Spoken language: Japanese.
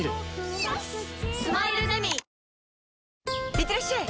いってらっしゃい！